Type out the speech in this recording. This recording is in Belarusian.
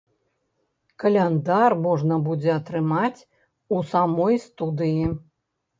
Каляндар можна будзе атрымаць у самой студыі.